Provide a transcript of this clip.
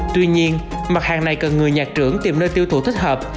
tuy nhiên mặt hàng này cần người nhạc trưởng tìm nơi tiêu thụ thích hợp